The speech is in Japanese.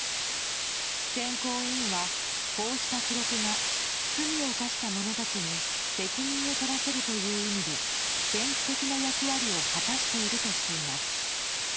選考委員は、こうした記録が罪を犯した者たちに責任を取らせるという意味で先駆的な役割を果たしているとしています。